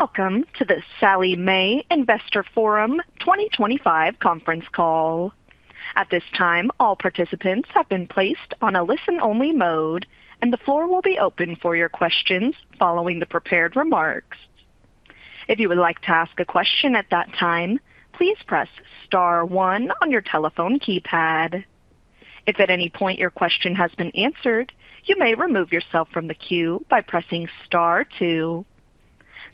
Welcome to the Sallie Mae Investor Forum 2025 Conference Call. At this time, all participants have been placed on a listen-only mode, and the floor will be open for your questions following the prepared remarks. If you would like to ask a question at that time, please press star one on your telephone keypad. If at any point your question has been answered, you may remove yourself from the queue by pressing star two.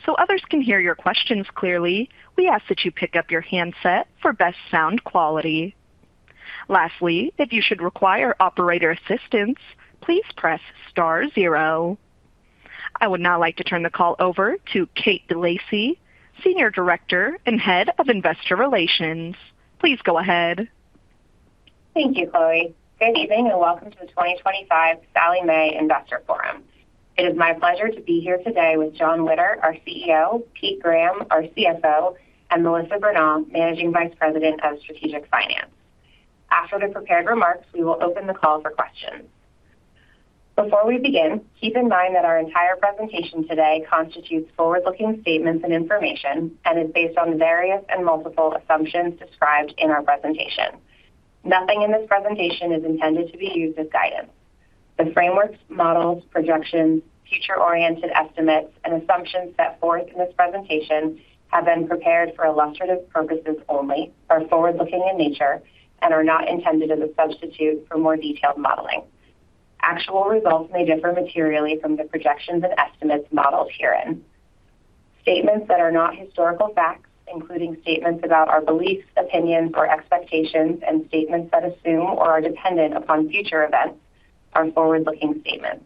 So others can hear your questions clearly, we ask that you pick up your handset for best sound quality. Lastly, if you should require operator assistance, please press star zero. I would now like to turn the call over to Kate DeLacy, Senior Director and Head of Investor Relations. Please go ahead. Thank you, Chloe. Good evening and welcome to the 2025 Sallie Mae Investor Forum. It is my pleasure to be here today with Jon Witter, our CEO, Pete Graham, our CFO, and Melissa Bronaugh, Managing Vice President of Strategic Finance. After the prepared remarks, we will open the call for questions. Before we begin, keep in mind that our entire presentation today constitutes forward-looking statements and information and is based on various and multiple assumptions described in our presentation. Nothing in this presentation is intended to be used as guidance. The frameworks, models, projections, future-oriented estimates, and assumptions set forth in this presentation have been prepared for illustrative purposes only, are forward-looking in nature, and are not intended as a substitute for more detailed modeling. Actual results may differ materially from the projections and estimates modeled herein. Statements that are not historical facts, including statements about our beliefs, opinions, or expectations, and statements that assume or are dependent upon future events, are forward-looking statements.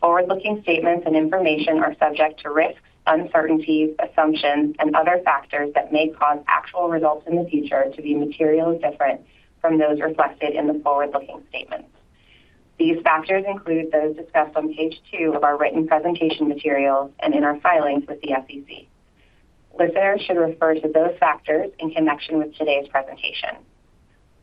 Forward-looking statements and information are subject to risks, uncertainties, assumptions, and other factors that may cause actual results in the future to be materially different from those reflected in the forward-looking statements. These factors include those discussed on page two of our written presentation materials and in our filings with the SEC. Listeners should refer to those factors in connection with today's presentation.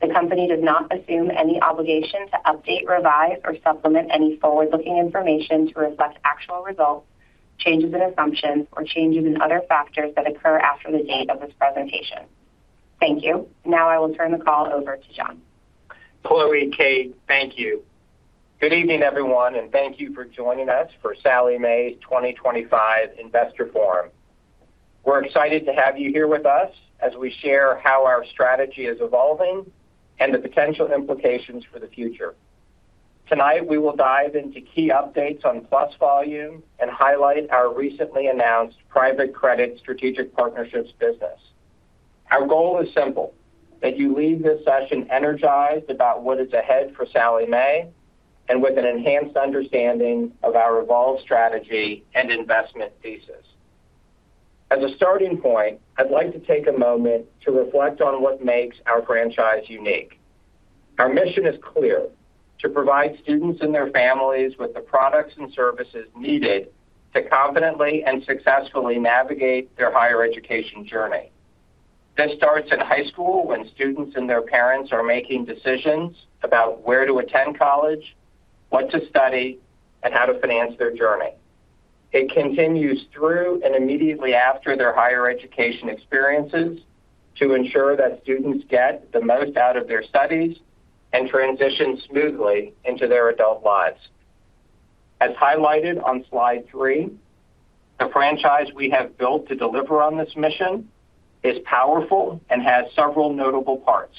The company does not assume any obligation to update, revise, or supplement any forward-looking information to reflect actual results, changes in assumptions, or changes in other factors that occur after the date of this presentation. Thank you. Now I will turn the call over to Jon. Chloe, Kate, thank you. Good evening, everyone, and thank you for joining us for Sallie Mae's 2025 Investor Forum. We're excited to have you here with us as we share how our strategy is evolving and the potential implications for the future. Tonight, we will dive into key updates on PLUS volume and highlight our recently announced private credit strategic partnerships business. Our goal is simple: that you leave this session energized about what is ahead for Sallie Mae and with an enhanced understanding of our evolved strategy and investment thesis. As a starting point, I'd like to take a moment to reflect on what makes our franchise unique. Our mission is clear: to provide students and their families with the products and services needed to confidently and successfully navigate their higher education journey. This starts in high school when students and their parents are making decisions about where to attend college, what to study, and how to finance their journey. It continues through and immediately after their higher education experiences to ensure that students get the most out of their studies and transition smoothly into their adult lives. As highlighted on slide three, the franchise we have built to deliver on this mission is powerful and has several notable parts.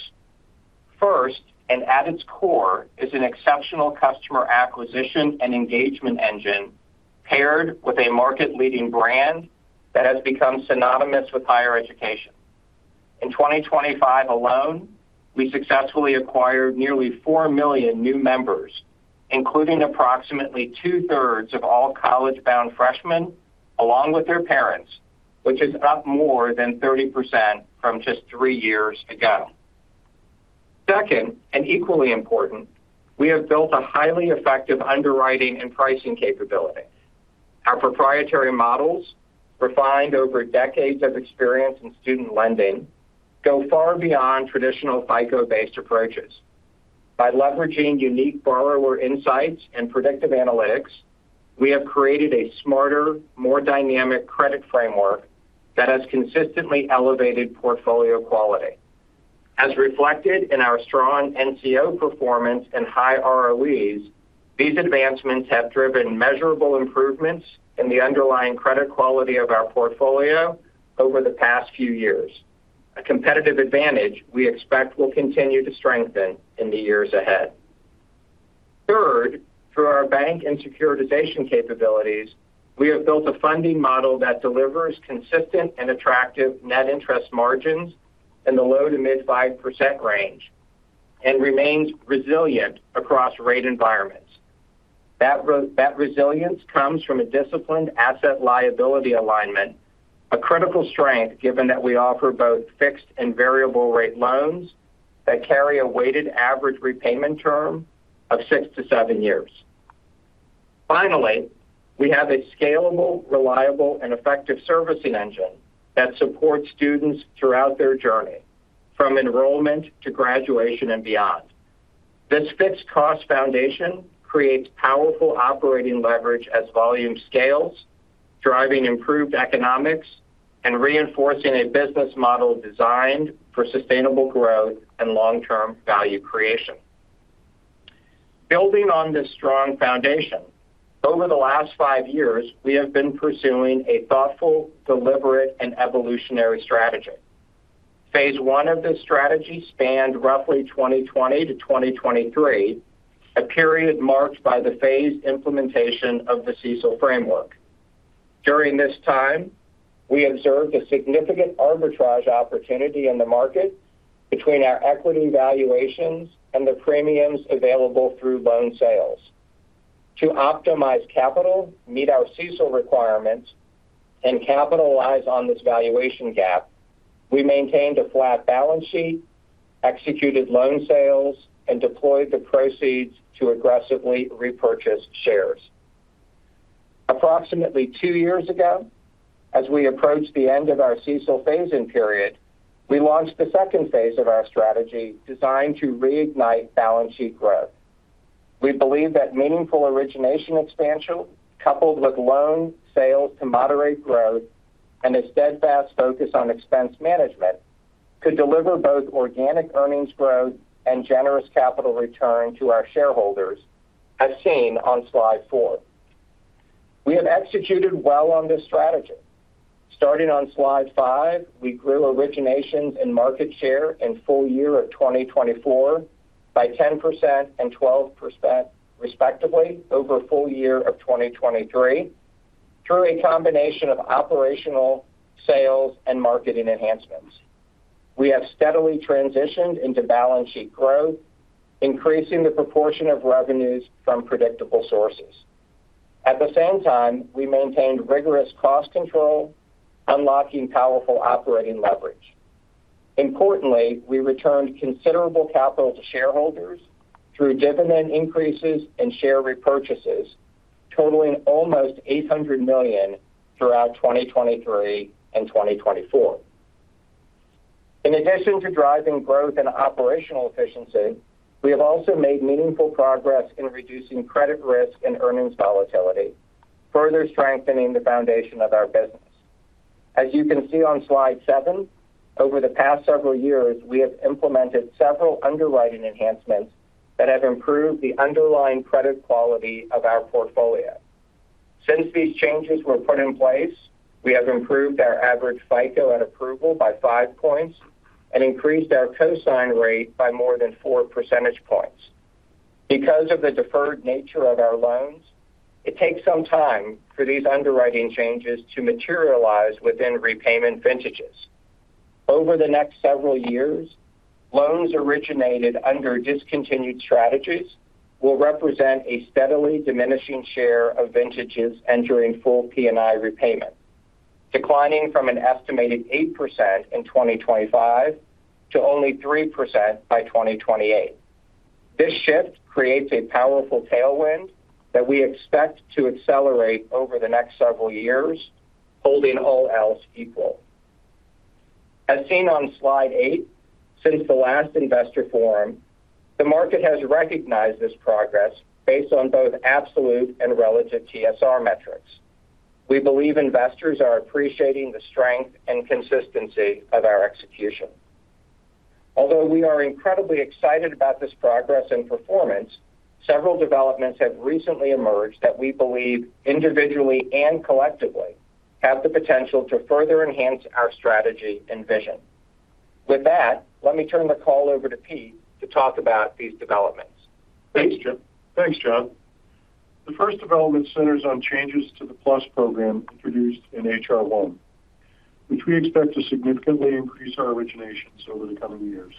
First, and at its core, is an exceptional customer acquisition and engagement engine paired with a market-leading brand that has become synonymous with higher education. In 2025 alone, we successfully acquired nearly 4 million new members, including approximately 2/3 of all college-bound freshmen along with their parents, which is up more than 30% from just three years ago. Second, and equally important, we have built a highly effective underwriting and pricing capability. Our proprietary models, refined over decades of experience in student lending, go far beyond traditional FICO-based approaches. By leveraging unique borrower insights and predictive analytics, we have created a smarter, more dynamic credit framework that has consistently elevated portfolio quality. As reflected in our strong NCO performance and high ROEs, these advancements have driven measurable improvements in the underlying credit quality of our portfolio over the past few years, a competitive advantage we expect will continue to strengthen in the years ahead. Third, through our bank and securitization capabilities, we have built a funding model that delivers consistent and attractive net interest margins in the low-to-mid 5% range and remains resilient across rate environments. That resilience comes from a disciplined asset liability alignment, a critical strength given that we offer both fixed and variable-rate loans that carry a weighted average repayment term of 6-7 years. Finally, we have a scalable, reliable, and effective servicing engine that supports students throughout their journey, from enrollment to graduation and beyond. This fixed cost foundation creates powerful operating leverage as volume scales, driving improved economics and reinforcing a business model designed for sustainable growth and long-term value creation. Building on this strong foundation, over the last five years, we have been pursuing a thoughtful, deliberate, and evolutionary strategy. Phase I of this strategy spanned roughly 2020-2023, a period marked by the phased implementation of the CECL framework. During this time, we observed a significant arbitrage opportunity in the market between our equity valuations and the premiums available through loan sales. To optimize capital, meet our CECL requirements, and capitalize on this valuation gap, we maintained a flat balance sheet, executed loan sales, and deployed the proceeds to aggressively repurchase shares. Approximately two years ago, as we approached the end of our CECL phasing period, we launched the second phase of our strategy designed to reignite balance sheet growth. We believe that meaningful origination expansion, coupled with loan sales to moderate growth and a steadfast focus on expense management, could deliver both organic earnings growth and generous capital return to our shareholders, as seen on slide four. We have executed well on this strategy. Starting on slide five, we grew originations and market share in full year of 2024 by 10% and 12% respectively over full year of 2023 through a combination of operational sales and marketing enhancements. We have steadily transitioned into balance sheet growth, increasing the proportion of revenues from predictable sources. At the same time, we maintained rigorous cost control, unlocking powerful operating leverage. Importantly, we returned considerable capital to shareholders through dividend increases and share repurchases, totaling almost $800 million throughout 2023 and 2024. In addition to driving growth and operational efficiency, we have also made meaningful progress in reducing credit risk and earnings volatility, further strengthening the foundation of our business. As you can see on slide seven, over the past several years, we have implemented several underwriting enhancements that have improved the underlying credit quality of our portfolio. Since these changes were put in place, we have improved our average FICO at approval by five points and increased our cosign rate by more than four percentage points. Because of the deferred nature of our loans, it takes some time for these underwriting changes to materialize within repayment vintages. Over the next several years, loans originated under discontinued strategies will represent a steadily diminishing share of vintages entering full P&I repayment, declining from an estimated 8% in 2025 to only 3% by 2028. This shift creates a powerful tailwind that we expect to accelerate over the next several years, holding all else equal. As seen on slide eight, since the last Investor Forum, the market has recognized this progress based on both absolute and relative TSR metrics. We believe investors are appreciating the strength and consistency of our execution. Although we are incredibly excited about this progress and performance, several developments have recently emerged that we believe individually and collectively have the potential to further enhance our strategy and vision. With that, let me turn the call over to Pete to talk about these developments. Thanks, Jon. The first development centers on changes to the PLUS program introduced in H.R. 1, which we expect to significantly increase our originations over the coming years.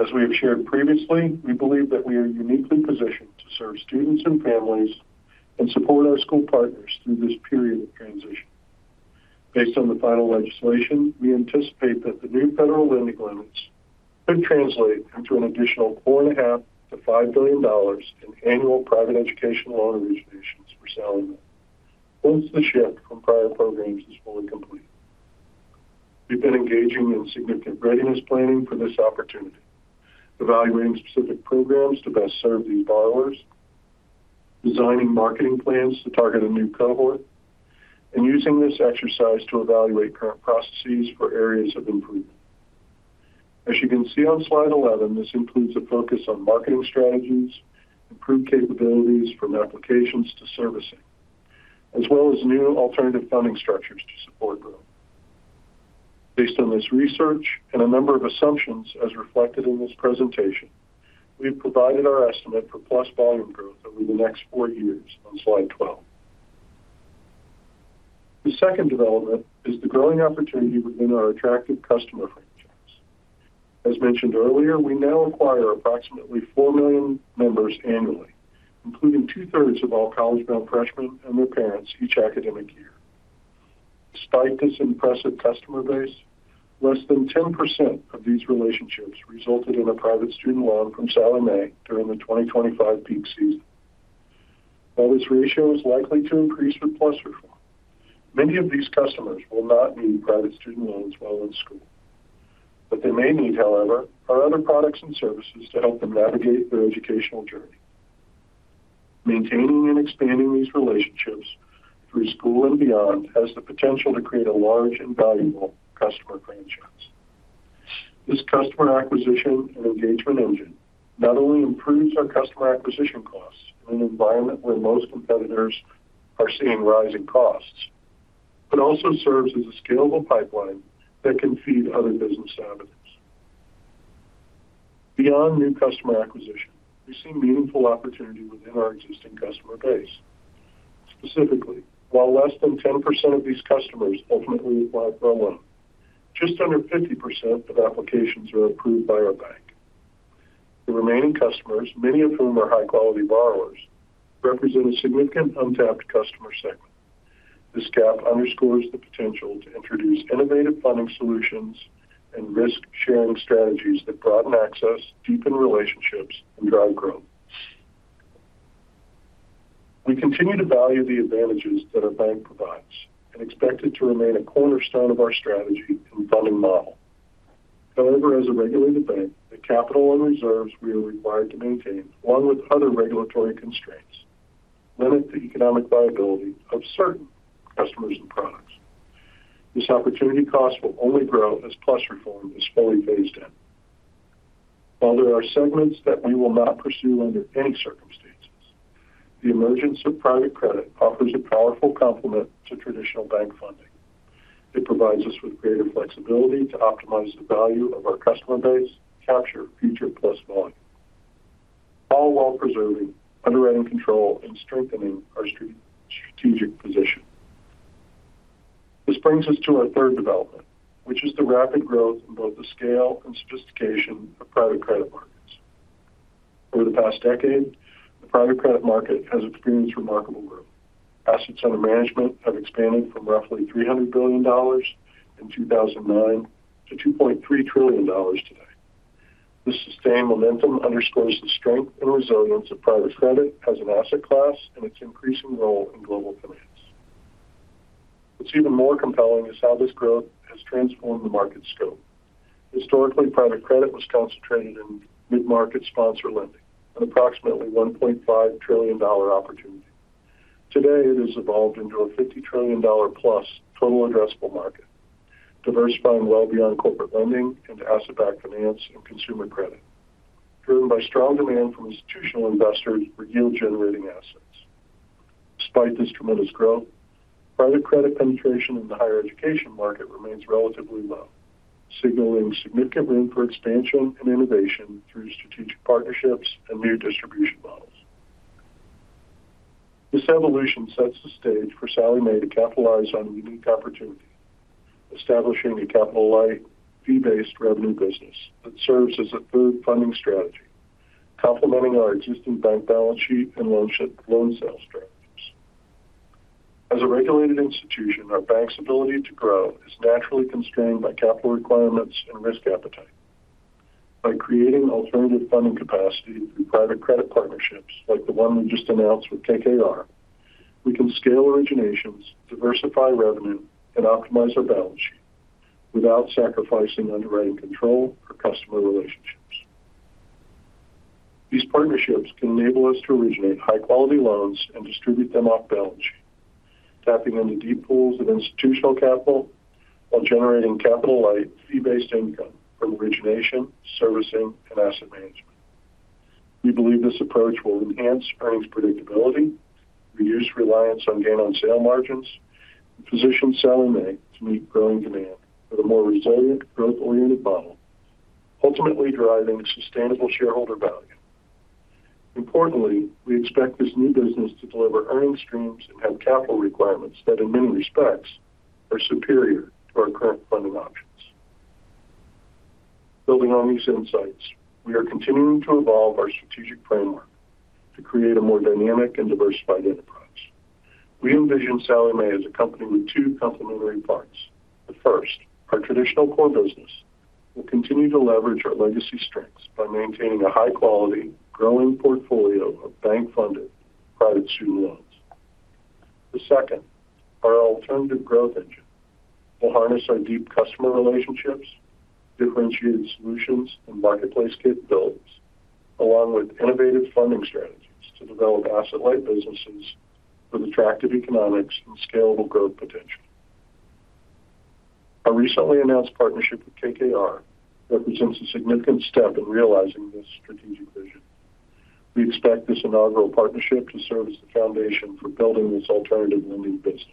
As we have shared previously, we believe that we are uniquely positioned to serve students and families and support our school partners through this period of transition. Based on the final legislation, we anticipate that the new federal lending limits could translate into an additional $4.5 billion-$5 billion in annual private education loan originations for Sallie, once the shift from prior programs is fully complete. We've been engaging in significant readiness planning for this opportunity, evaluating specific programs to best serve these borrowers, designing marketing plans to target a new cohort, and using this exercise to evaluate current processes for areas of improvement. As you can see on slide 11, this includes a focus on marketing strategies, improved capabilities from applications to servicing, as well as new alternative funding structures to support growth. Based on this research and a number of assumptions as reflected in this presentation, we've provided our estimate for PLUS volume growth over the next four years on slide 12. The second development is the growing opportunity within our attractive customer franchise. As mentioned earlier, we now acquire approximately 4 million members annually, including two-thirds of all college-bound freshmen and their parents each academic year. Despite this impressive customer base, less than 10% of these relationships resulted in a private student loan from Sallie Mae during the 2025 peak season. While this ratio is likely to increase with PLUS reform, many of these customers will not need private student loans while in school. What they may need, however, are other products and services to help them navigate their educational journey. Maintaining and expanding these relationships through school and beyond has the potential to create a large and valuable customer franchise. This customer acquisition and engagement engine not only improves our customer acquisition costs in an environment where most competitors are seeing rising costs, but also serves as a scalable pipeline that can feed other business avenues. Beyond new customer acquisition, we see meaningful opportunity within our existing customer base. Specifically, while less than 10% of these customers ultimately apply for a loan, just under 50% of applications are approved by our bank. The remaining customers, many of whom are high-quality borrowers, represent a significant untapped customer segment. This gap underscores the potential to introduce innovative funding solutions and risk-sharing strategies that broaden access, deepen relationships, and drive growth. We continue to value the advantages that our bank provides and expect it to remain a cornerstone of our strategy and funding model. However, as a regulated bank, the capital and reserves we are required to maintain, along with other regulatory constraints, limit the economic viability of certain customers and products. This opportunity cost will only grow as PLUS reform is fully phased in. While there are segments that we will not pursue under any circumstances, the emergence of private credit offers a powerful complement to traditional bank funding. It provides us with greater flexibility to optimize the value of our customer base and capture future PLUS volume, all while preserving underwriting control and strengthening our strategic position. This brings us to our third development, which is the rapid growth in both the scale and sophistication of private credit markets. Over the past decade, the private credit market has experienced remarkable growth. Assets under management have expanded from roughly $300 billion in 2009 to $2.3 trillion today. This sustained momentum underscores the strength and resilience of private credit as an asset class and its increasing role in global finance. What's even more compelling is how this growth has transformed the market scope. Historically, private credit was concentrated in mid-market sponsor lending, an approximately $1.5 trillion opportunity. Today, it has evolved into a $50 trillion+ total addressable market, diversifying well beyond corporate lending into asset-backed finance and consumer credit, driven by strong demand from institutional investors for yield-generating assets. Despite this tremendous growth, private credit penetration in the higher education market remains relatively low, signaling significant room for expansion and innovation through strategic partnerships and new distribution models. This evolution sets the stage for Sallie Mae to capitalize on a unique opportunity, establishing a capital-light, fee-based revenue business that serves as a third funding strategy, complementing our existing bank balance sheet and loan sales strategies. As a regulated institution, our bank's ability to grow is naturally constrained by capital requirements and risk appetite. By creating alternative funding capacity through private credit partnerships like the one we just announced with KKR, we can scale originations, diversify revenue, and optimize our balance sheet without sacrificing underwriting control or customer relationships. These partnerships can enable us to originate high-quality loans and distribute them off balance sheet, tapping into deep pools of institutional capital while generating capital-light, fee-based income from origination, servicing, and asset management. We believe this approach will enhance earnings predictability, reduce reliance on gain-on-sale margins, and position Sallie Mae to meet growing demand for a more resilient, growth-oriented model, ultimately driving sustainable shareholder value. Importantly, we expect this new business to deliver earnings streams and have capital requirements that, in many respects, are superior to our current funding options. Building on these insights, we are continuing to evolve our strategic framework to create a more dynamic and diversified enterprise. We envision Sallie Mae as a company with two complementary parts. The first, our traditional core business, will continue to leverage our legacy strengths by maintaining a high-quality, growing portfolio of bank-funded private student loans. The second, our alternative growth engine, will harness our deep customer relationships, differentiated solutions, and marketplace capabilities, along with innovative funding strategies to develop asset-light businesses with attractive economics and scalable growth potential. Our recently announced partnership with KKR represents a significant step in realizing this strategic vision. We expect this inaugural partnership to serve as the foundation for building this alternative lending business.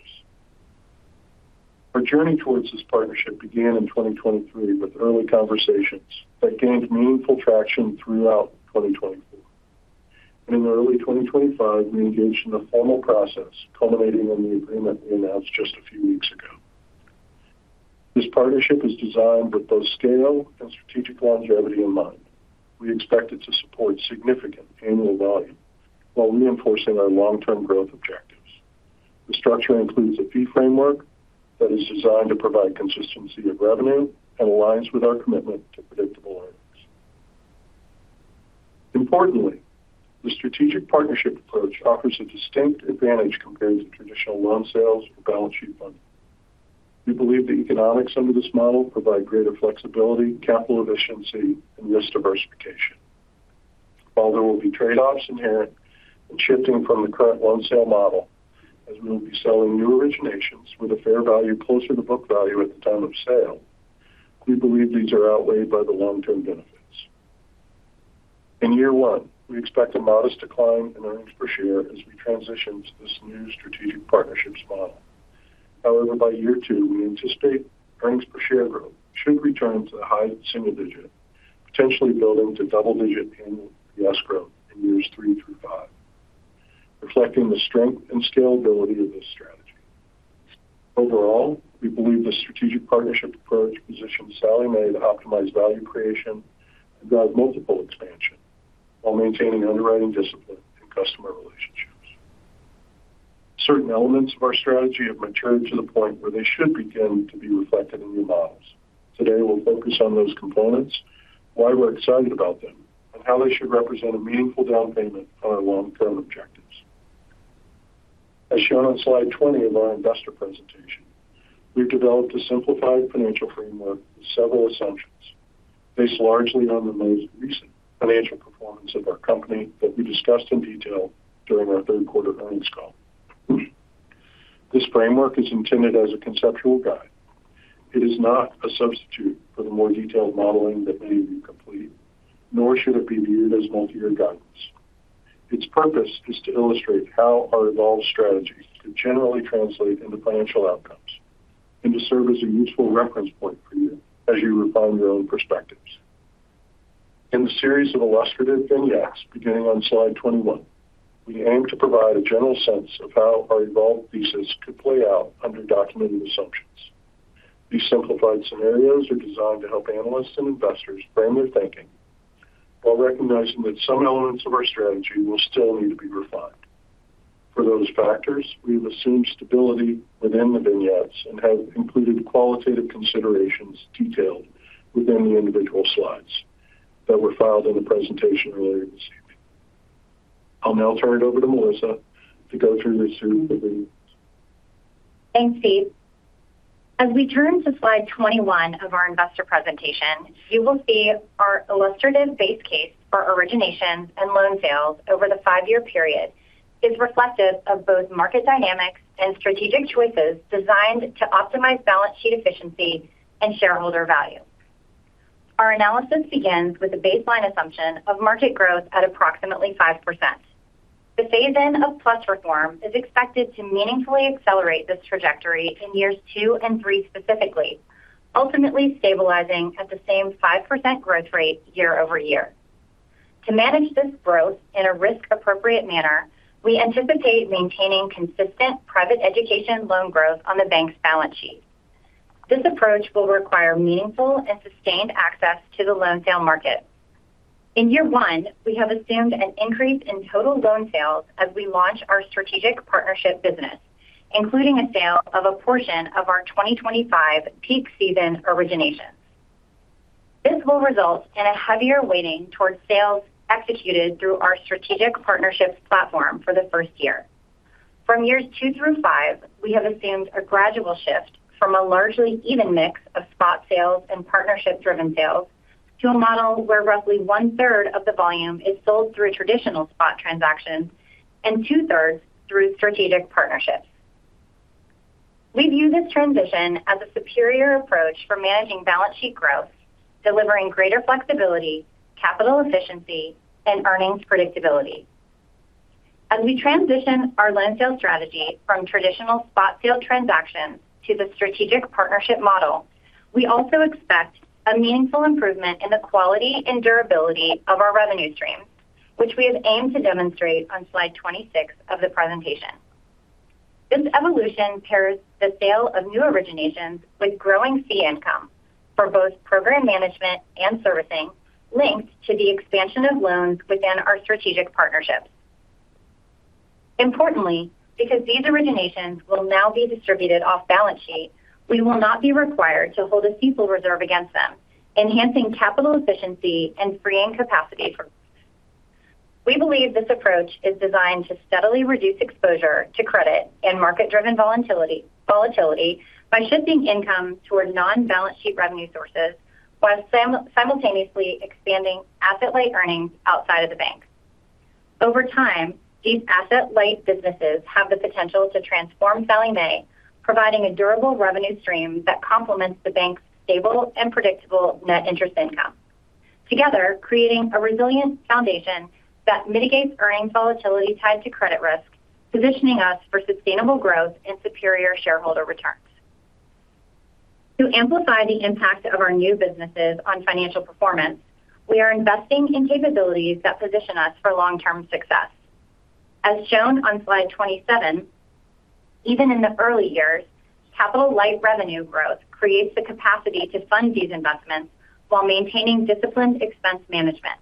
Our journey towards this partnership began in 2023 with early conversations that gained meaningful traction throughout 2024. In early 2025, we engaged in the formal process culminating in the agreement we announced just a few weeks ago. This partnership is designed with both scale and strategic longevity in mind. We expect it to support significant annual volume while reinforcing our long-term growth objectives. The structure includes a fee framework that is designed to provide consistency of revenue and aligns with our commitment to predictable earnings. Importantly, the strategic partnership approach offers a distinct advantage compared to traditional loan sales or balance sheet funding. We believe the economics under this model provide greater flexibility, capital efficiency, and risk diversification. While there will be trade-offs inherent in shifting from the current loan sale model, as we will be selling new originations with a fair value closer to book value at the time of sale, we believe these are outweighed by the long-term benefits. In year one, we expect a modest decline in earnings per share as we transition to this new strategic partnerships model. However, by year two, we anticipate earnings per share growth should return to the high single-digit, potentially building to double-digit annual EPS growth in years three through five, reflecting the strength and scalability of this strategy. Overall, we believe the strategic partnership approach positions Sallie Mae to optimize value creation and drive multiple expansion while maintaining underwriting discipline and customer relationships. Certain elements of our strategy have matured to the point where they should begin to be reflected in new models. Today, we'll focus on those components, why we're excited about them, and how they should represent a meaningful down payment on our long-term objectives. As shown on slide 20 of our investor presentation, we've developed a simplified financial framework with several assumptions based largely on the most recent financial performance of our company that we discussed in detail during our third quarter earnings call. This framework is intended as a conceptual guide. It is not a substitute for the more detailed modeling that many of you complete, nor should it be viewed as multi-year guidance. Its purpose is to illustrate how our evolved strategy could generally translate into financial outcomes and to serve as a useful reference point for you as you refine your own perspectives. In the series of illustrative vignettes beginning on slide 21, we aim to provide a general sense of how our evolved thesis could play out under documented assumptions. These simplified scenarios are designed to help analysts and investors frame their thinking while recognizing that some elements of our strategy will still need to be refined. For those factors, we have assumed stability within the vignettes and have included qualitative considerations detailed within the individual slides that were filed in the presentation earlier this evening. I'll now turn it over to Melissa to go through this suite of vignettes. Thanks, Pete. As we turn to slide 21 of our investor presentation, you will see our illustrative base case for originations and loan sales over the five-year period is reflective of both market dynamics and strategic choices designed to optimize balance sheet efficiency and shareholder value. Our analysis begins with a baseline assumption of market growth at approximately 5%. The phase-in of PLUS reform is expected to meaningfully accelerate this trajectory in years two and three specifically, ultimately stabilizing at the same 5% growth rate year-over-year. To manage this growth in a risk-appropriate manner, we anticipate maintaining consistent private education loan growth on the bank's balance sheet. This approach will require meaningful and sustained access to the loan sale market. In year one, we have assumed an increase in total loan sales as we launch our strategic partnership business, including a sale of a portion of our 2025 peak season originations. This will result in a heavier weighting towards sales executed through our strategic partnerships platform for the first year. From years two through five, we have assumed a gradual shift from a largely even mix of spot sales and partnership-driven sales to a model where roughly 1/3 of the volume is sold through traditional spot transactions and two-thirds through strategic partnerships. We view this transition as a superior approach for managing balance sheet growth, delivering greater flexibility, capital efficiency, and earnings predictability. As we transition our loan sale strategy from traditional spot sale transactions to the strategic partnership model, we also expect a meaningful improvement in the quality and durability of our revenue stream, which we have aimed to demonstrate on slide 26 of the presentation. This evolution pairs the sale of new originations with growing fee income for both program management and servicing linked to the expansion of loans within our strategic partnerships. Importantly, because these originations will now be distributed off balance sheet, we will not be required to hold a fee-pool reserve against them, enhancing capital efficiency and freeing capacity for growth. We believe this approach is designed to steadily reduce exposure to credit and market-driven volatility by shifting income toward non-balance sheet revenue sources while simultaneously expanding asset-light earnings outside of the bank. Over time, these asset-light businesses have the potential to transform Sallie Mae, providing a durable revenue stream that complements the bank's stable and predictable net interest income, together creating a resilient foundation that mitigates earnings volatility tied to credit risk, positioning us for sustainable growth and superior shareholder returns. To amplify the impact of our new businesses on financial performance, we are investing in capabilities that position us for long-term success. As shown on slide 27, even in the early years, capital-light revenue growth creates the capacity to fund these investments while maintaining disciplined expense management.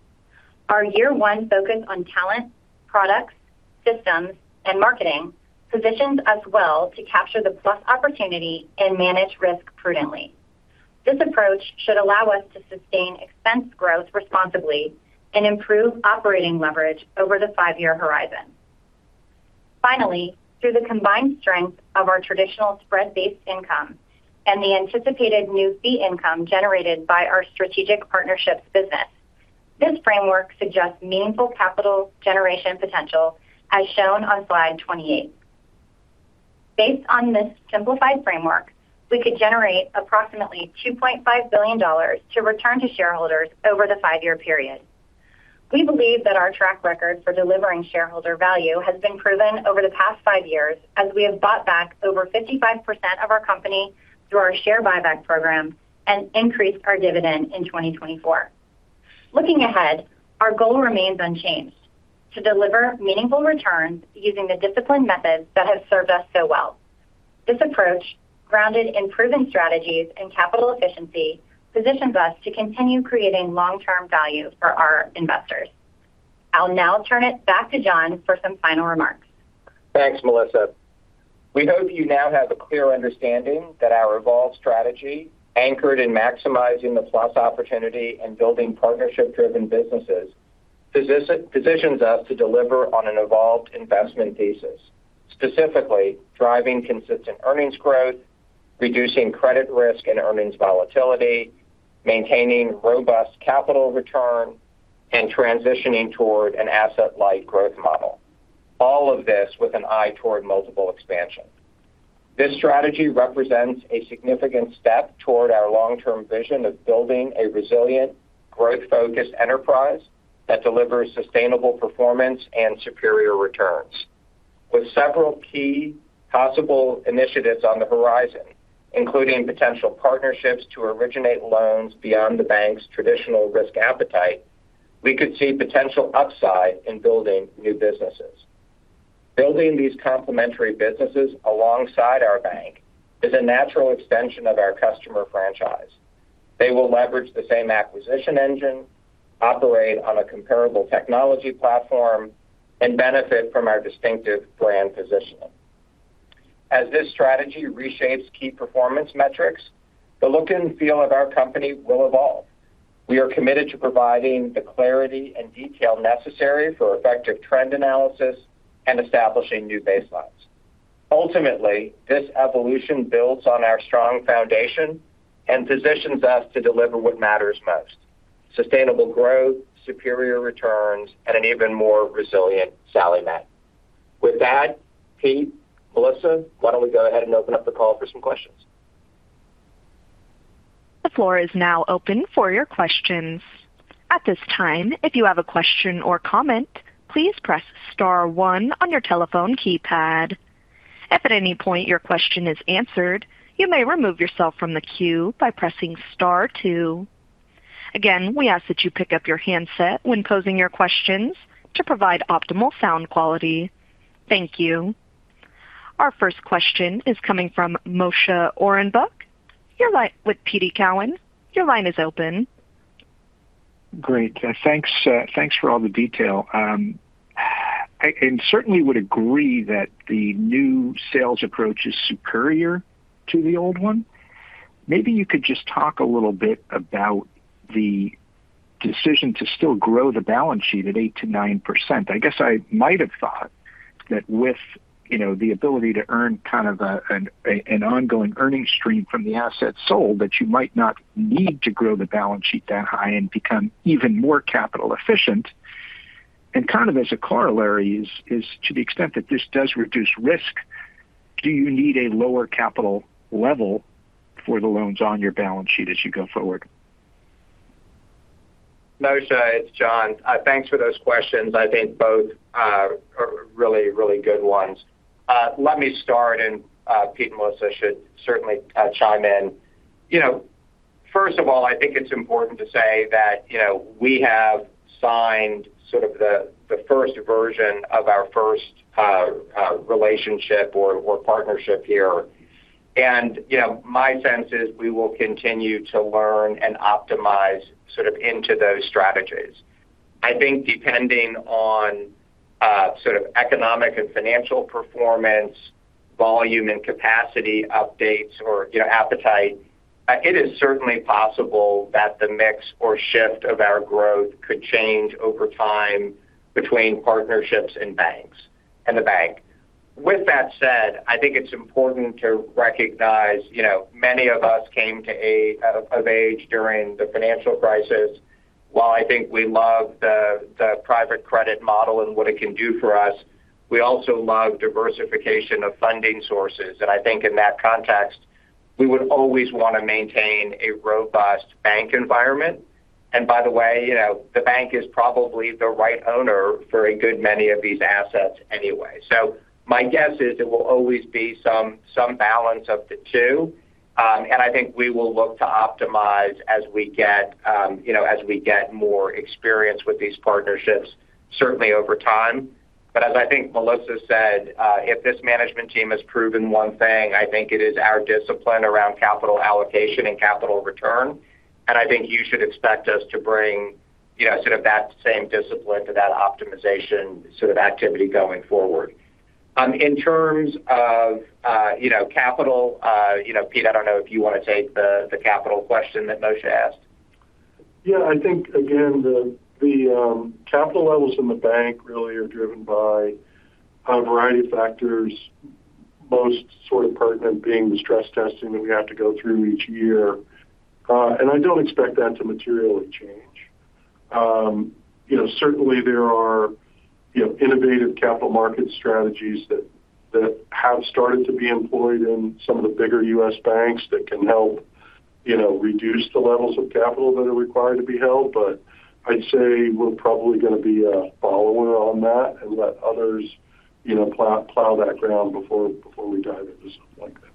Our year-one focus on talent, products, systems, and marketing positions us well to capture the PLUS opportunity and manage risk prudently. This approach should allow us to sustain expense growth responsibly and improve operating leverage over the five-year horizon. Finally, through the combined strength of our traditional spread-based income and the anticipated new fee income generated by our strategic partnerships business, this framework suggests meaningful capital generation potential, as shown on slide 28. Based on this simplified framework, we could generate approximately $2.5 billion to return to shareholders over the five-year period. We believe that our track record for delivering shareholder value has been proven over the past five years as we have bought back over 55% of our company through our share buyback program and increased our dividend in 2024. Looking ahead, our goal remains unchanged: to deliver meaningful returns using the disciplined methods that have served us so well. This approach, grounded in proven strategies and capital efficiency, positions us to continue creating long-term value for our investors. I'll now turn it back to Jon for some final remarks. Thanks, Melissa. We hope you now have a clear understanding that our evolved strategy, anchored in maximizing the PLUS opportunity and building partnership-driven businesses, positions us to deliver on an evolved investment thesis, specifically driving consistent earnings growth, reducing credit risk and earnings volatility, maintaining robust capital return, and transitioning toward an asset-light growth model, all of this with an eye toward multiple expansion. This strategy represents a significant step toward our long-term vision of building a resilient, growth-focused enterprise that delivers sustainable performance and superior returns. With several key possible initiatives on the horizon, including potential partnerships to originate loans beyond the bank's traditional risk appetite, we could see potential upside in building new businesses. Building these complementary businesses alongside our bank is a natural extension of our customer franchise. They will leverage the same acquisition engine, operate on a comparable technology platform, and benefit from our distinctive brand positioning. As this strategy reshapes key performance metrics, the look and feel of our company will evolve. We are committed to providing the clarity and detail necessary for effective trend analysis and establishing new baselines. Ultimately, this evolution builds on our strong foundation and positions us to deliver what matters most: sustainable growth, superior returns, and an even more resilient Sallie Mae. With that, Kate, Melissa, why don't we go ahead and open up the call for some questions? The floor is now open for your questions. At this time, if you have a question or comment, please press star one on your telephone keypad. If at any point your question is answered, you may remove yourself from the queue by pressing star two. Again, we ask that you pick up your handset when posing your questions to provide optimal sound quality. Thank you. Our first question is coming from Moshe Orenbuch. You're live with TD Cowen. Your line is open. Great. Thanks for all the detail. I certainly would agree that the new sales approach is superior to the old one. Maybe you could just talk a little bit about the decision to still grow the balance sheet at 8%-9%. I guess I might have thought that with the ability to earn kind of an ongoing earnings stream from the asset sold, that you might not need to grow the balance sheet that high and become even more capital efficient. And kind of as a corollary is, to the extent that this does reduce risk, do you need a lower capital level for the loans on your balance sheet as you go forward? Moshe it's Jon, thanks for those questions. I think both are really, really good ones. Let me start, and Pete and Melissa should certainly chime in. First of all, I think it's important to say that we have signed sort of the first version of our first relationship or partnership here. And my sense is we will continue to learn and optimize sort of into those strategies. I think depending on sort of economic and financial performance, volume and capacity updates, or appetite, it is certainly possible that the mix or shift of our growth could change over time between partnerships and banks and the bank. With that said, I think it's important to recognize many of us came to age during the financial crisis. While I think we love the private credit model and what it can do for us, we also love diversification of funding sources. And I think in that context, we would always want to maintain a robust bank environment. And by the way, the bank is probably the right owner for a good many of these assets anyway. So my guess is there will always be some balance of the two. And I think we will look to optimize as we get more experience with these partnerships, certainly over time. But as I think Melissa said, if this management team has proven one thing, I think it is our discipline around capital allocation and capital return. And I think you should expect us to bring sort of that same discipline to that optimization sort of activity going forward. In terms of capital, Pete, I don't know if you want to take the capital question that Moshe asked. Yeah. I think, again, the capital levels in the bank really are driven by a variety of factors, most sort of pertinent being the stress testing that we have to go through each year. And I don't expect that to materially change. Certainly, there are innovative capital market strategies that have started to be employed in some of the bigger U.S. banks that can help reduce the levels of capital that are required to be held. But I'd say we're probably going to be a follower on that and let others plow that ground before we dive into something like that.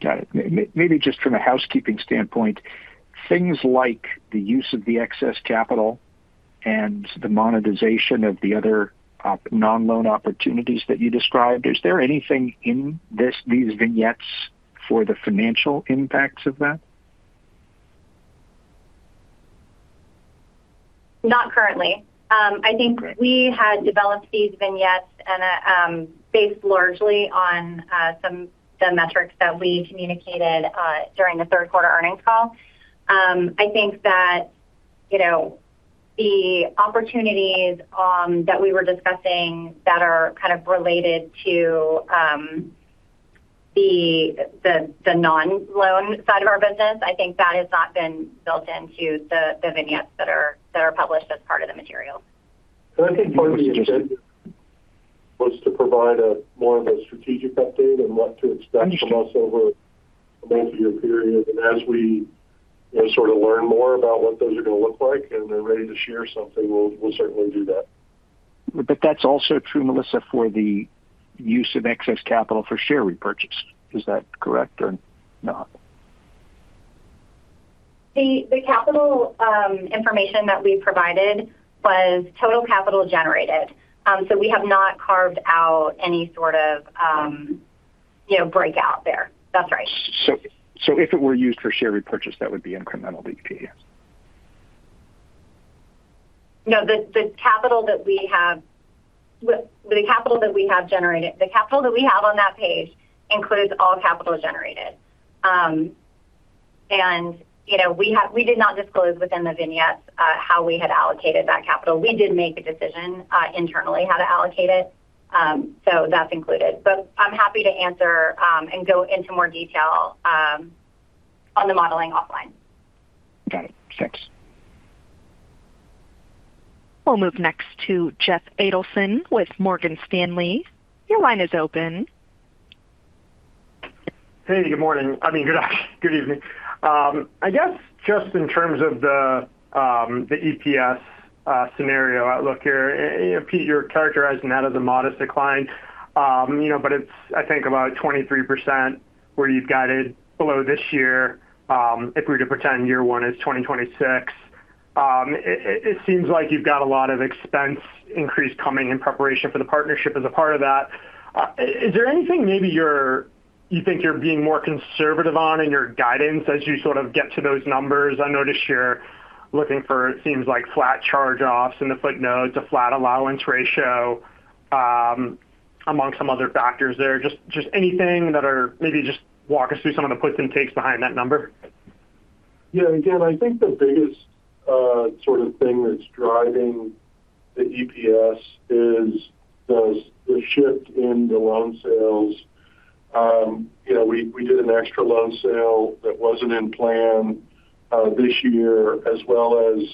Got it. Maybe just from a housekeeping standpoint, things like the use of the excess capital and the monetization of the other non-loan opportunities that you described, is there anything in these vignettes for the financial impacts of that? Not currently. I think we had developed these vignettes based largely on some of the metrics that we communicated during the third-quarter earnings call. I think that the opportunities that we were discussing that are kind of related to the non-loan side of our business, I think that has not been built into the vignettes that are published as part of the materials, And I think part of the intent was to provide more of a strategic update on what to expect from us over a multi-year period, and as we sort of learn more about what those are going to look like and are ready to share something, we'll certainly do that, But that's also true, Melissa, for the use of excess capital for share repurchase. Is that correct or not? The capital information that we provided was total capital generated. We have not carved out any sort of breakout there. That's right. So if it were used for share repurchase, that would be incremental, Pete? No, the capital that we have generated, the capital that we have on that page includes all capital generated. And we did not disclose within the vignettes how we had allocated that capital. We did make a decision internally how to allocate it. So that's included. But I'm happy to answer and go into more detail on the modeling offline. Got it. Thanks. We'll move next to Jeff Adelson with Morgan Stanley. Your line is open. Hey, good morning. I mean, good evening. I guess just in terms of the EPS scenario outlook here, Pete, you're characterizing that as a modest decline. But it's, I think, about 23% where you've guided below this year. If we were to pretend year one is 2026, it seems like you've got a lot of expense increase coming in preparation for the partnership as a part of that. Is there anything maybe you think you're being more conservative on in your guidance as you sort of get to those numbers? I noticed you're looking for, it seems like, flat charge-offs in the footnotes, a flat allowance ratio among some other factors there. Just anything that maybe just walk us through some of the puts and takes behind that number? Yeah. Again, I think the biggest sort of thing that's driving the EPS is the shift in the loan sales. We did an extra loan sale that wasn't in plan this year, as well as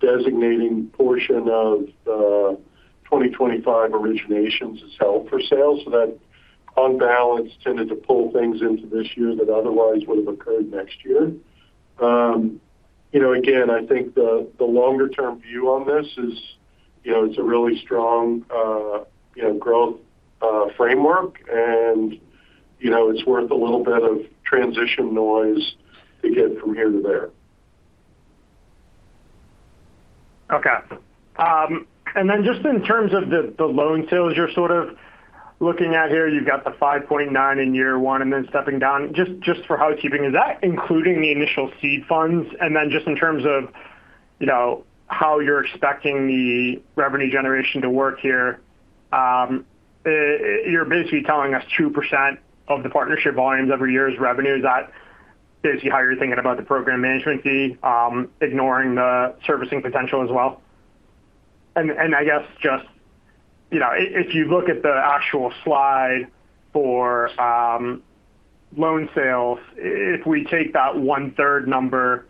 designating a portion of the 2025 originations that's held for sale. So that unbalance tended to pull things into this year that otherwise would have occurred next year. Again, I think the longer-term view on this is it's a really strong growth framework, and it's worth a little bit of transition noise to get from here to there. Okay. And then just in terms of the loan sales you're sort of looking at here, you've got the 5.9 in year one and then stepping down. Just for housekeeping, is that including the initial seed funds? And then just in terms of how you're expecting the revenue generation to work here, you're basically telling us 2% of the partnership volumes every year is revenue. Is that basically how you're thinking about the program management fee, ignoring the servicing potential as well? And I guess just if you look at the actual slide for loan sales, if we take that 1/3 number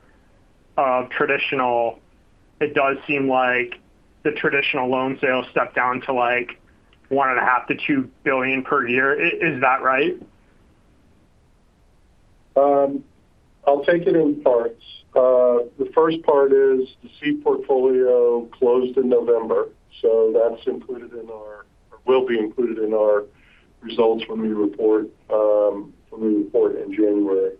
of traditional, it does seem like the traditional loan sales step down to like $1.5 billion-$2 billion per year. Is that right? I'll take it in parts. The first part is the seed portfolio closed in November. So that's included in our or will be included in our results when we report in January.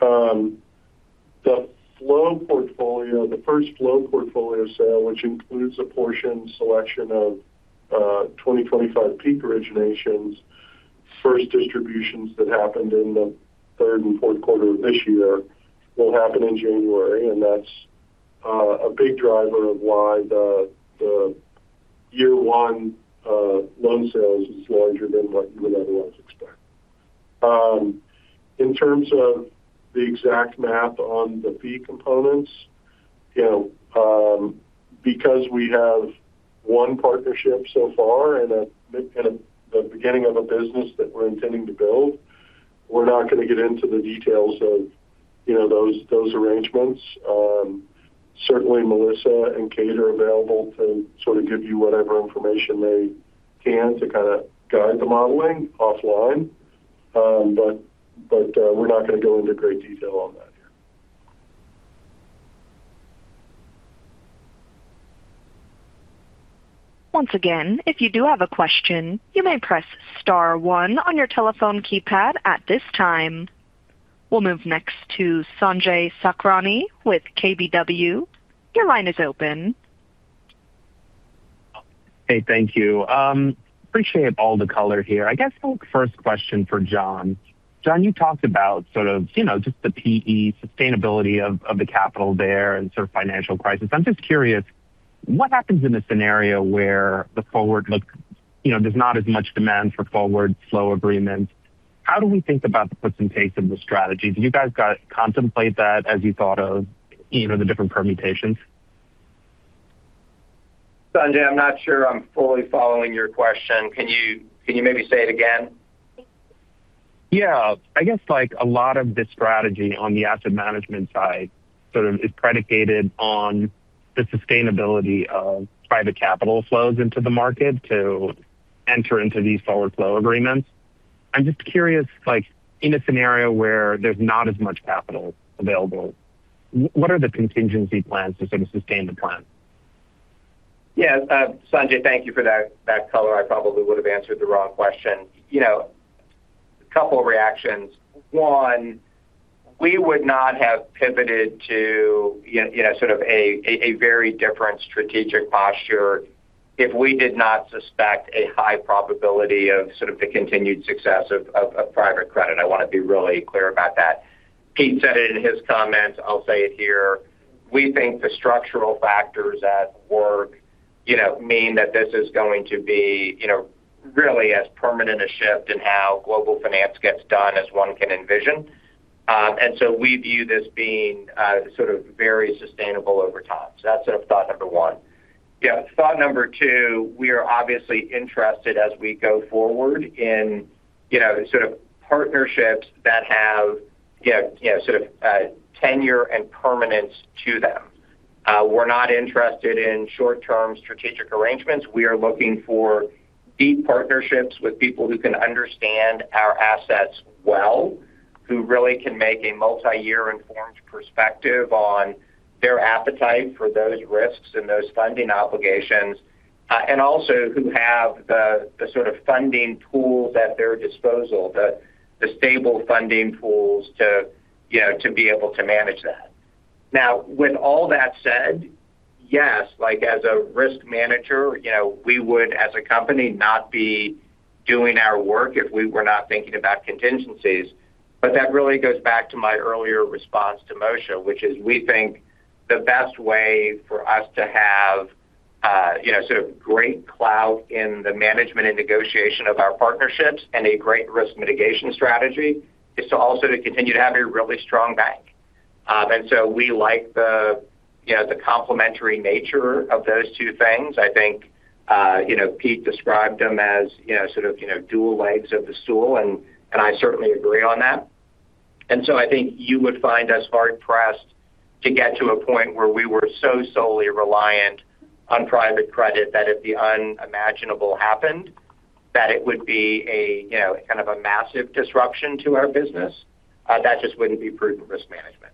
The flow portfolio, the first flow portfolio sale, which includes a portion selection of 2025 peak originations, first distributions that happened in the third and fourth quarter of this year will happen in January. And that's a big driver of why the year one loan sales is larger than what you would otherwise expect. In terms of the exact math on the fee components, because we have one partnership so far and the beginning of a business that we're intending to build, we're not going to get into the details of those arrangements. Certainly, Melissa and Kate are available to sort of give you whatever information they can to kind of guide the modeling offline. But we're not going to go into great detail on that here. Once again, if you do have a question, you may press star one on your telephone keypad at this time. We'll move next to Sanjay Sakhrani with KBW. Your line is open. Hey, thank you. Appreciate all the color here. I guess first question for Jon. Jon, you talked about sort of just the PE sustainability of the capital there and sort of financial crisis. I'm just curious, what happens in a scenario where the forward look there's not as much demand for forward flow agreements? How do we think about the puts and takes of the strategies? Do you guys contemplate that as you thought of the different permutations? Sanjay, I'm not sure I'm fully following your question. Can you maybe say it again? Yeah. I guess a lot of the strategy on the asset management side sort of is predicated on the sustainability of private capital flows into the market to enter into these forward flow agreements. I'm just curious, in a scenario where there's not as much capital available, what are the contingency plans to sort of sustain the plan? Yeah. Sanjay, thank you for that color. I probably would have answered the wrong question. A couple of reactions. One, we would not have pivoted to sort of a very different strategic posture if we did not suspect a high probability of sort of the continued success of private credit. I want to be really clear about that. Pete said it in his comments. I'll say it here. We think the structural factors at work mean that this is going to be really as permanent a shift in how global finance gets done as one can envision, and so we view this being sort of very sustainable over time, so that's sort of thought number one. Yeah. Thought number two, we are obviously interested as we go forward in sort of partnerships that have sort of tenure and permanence to them. We're not interested in short-term strategic arrangements. We are looking for deep partnerships with people who can understand our assets well, who really can make a multi-year informed perspective on their appetite for those risks and those funding obligations, and also who have the sort of funding pools at their disposal, the stable funding pools to be able to manage that. Now, with all that said, yes, as a risk manager, we would, as a company, not be doing our work if we were not thinking about contingencies, but that really goes back to my earlier response to Moshe, which is we think the best way for us to have sort of great clout in the management and negotiation of our partnerships and a great risk mitigation strategy is to also continue to have a really strong bank, and so we like the complementary nature of those two things. I think Pete described them as sort of dual legs of the stool, and I certainly agree on that, and so I think you would find us hard-pressed to get to a point where we were so solely reliant on private credit that if the unimaginable happened, that it would be a kind of a massive disruption to our business, that just wouldn't be prudent risk management.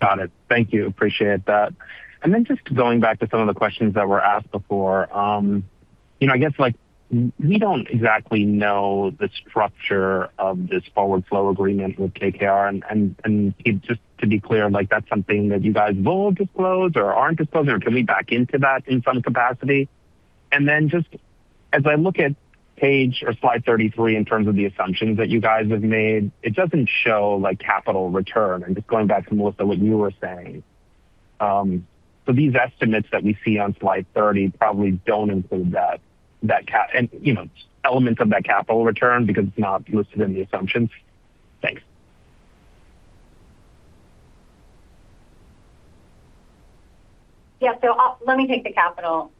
Got it. Thank you. Appreciate that, and then just going back to some of the questions that were asked before, I guess we don't exactly know the structure of this forward flow agreement with KKR, and Pete, just to be clear, that's something that you guys will disclose or aren't disclosing, or can we back into that in some capacity? And then, just as I look at page or slide 33 in terms of the assumptions that you guys have made, it doesn't show capital return. And just going back to Melissa, what you were saying, so these estimates that we see on slide 30 probably don't include that element of that capital return because it's not listed in the assumptions. Thanks. Yeah. So let me take the capital.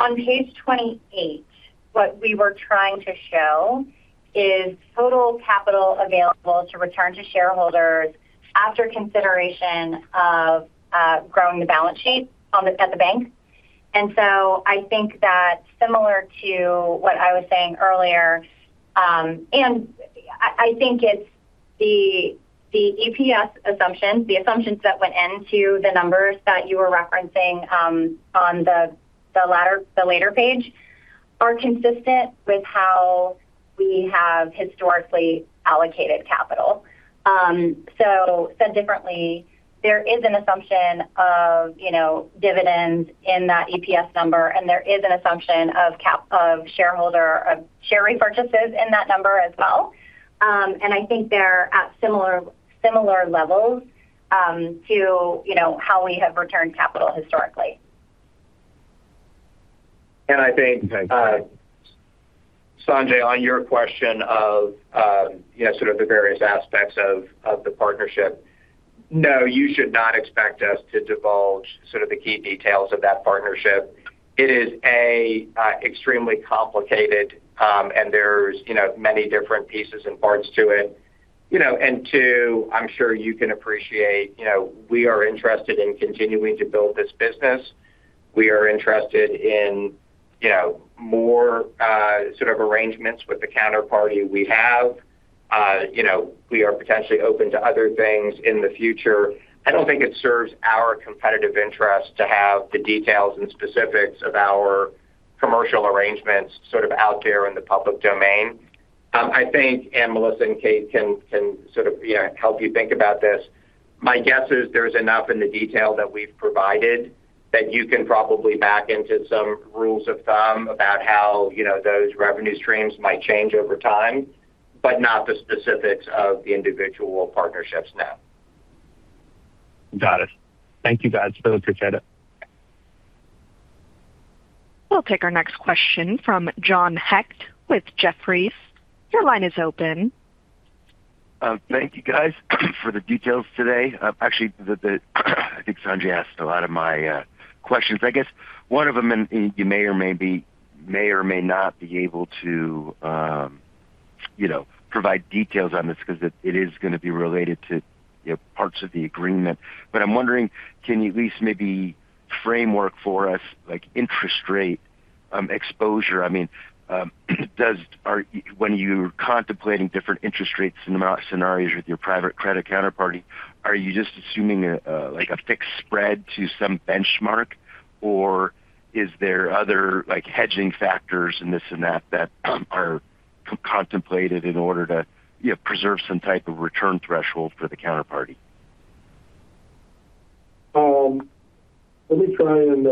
On page 28, what we were trying to show is total capital available to return to shareholders after consideration of growing the balance sheet at the bank. And so I think that similar to what I was saying earlier, and I think it's the EPS assumptions, the assumptions that went into the numbers that you were referencing on the later page are consistent with how we have historically allocated capital. So, said differently, there is an assumption of dividends in that EPS number, and there is an assumption of shareholder share repurchases in that number as well. And I think they're at similar levels to how we have returned capital historically. And I think, Sanjay, on your question of sort of the various aspects of the partnership, no, you should not expect us to divulge sort of the key details of that partnership. It is extremely complicated, and there's many different pieces and parts to it. And two, I'm sure you can appreciate we are interested in continuing to build this business. We are interested in more sort of arrangements with the counterparty we have. We are potentially open to other things in the future. I don't think it serves our competitive interest to have the details and specifics of our commercial arrangements sort of out there in the public domain. I think, and Melissa and Kate can sort of help you think about this. My guess is there's enough in the detail that we've provided that you can probably back into some rules of thumb about how those revenue streams might change over time, but not the specifics of the individual partnerships now. Got it. Thank you, guys. Really appreciate it. We'll take our next question from John Hecht with Jefferies. Your line is open. Thank you, guys, for the details today. Actually, I think Sanjay asked a lot of my questions. I guess one of them, and you may or may not be able to provide details on this because it is going to be related to parts of the agreement. But I'm wondering, can you at least maybe framework for us interest rate exposure? I mean, when you're contemplating different interest rates and scenarios with your private credit counterparty, are you just assuming a fixed spread to some benchmark, or is there other hedging factors in this and that that are contemplated in order to preserve some type of return threshold for the counterparty? Let me try and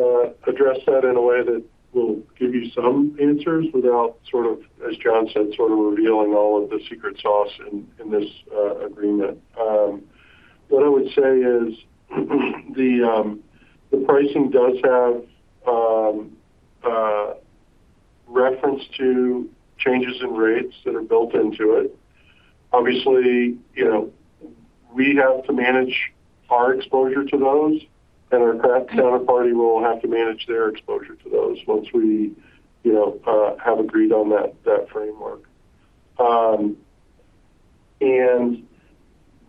address that in a way that will give you some answers without, sort of, as Jon said, sort of revealing all of the secret sauce in this agreement. What I would say is the pricing does have reference to changes in rates that are built into it. Obviously, we have to manage our exposure to those, and our counterparty will have to manage their exposure to those once we have agreed on that framework.